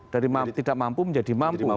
dari tidak mampu menjadi mampu